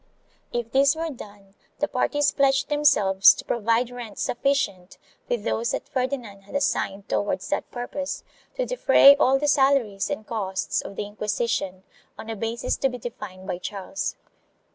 If this were done the parties pledged themselves to provide rents sufficient, with those that Ferdinand had assigned towards that purpose, to defray all the salaries and costs of the Inquisition, on a basis to be defined by Charles.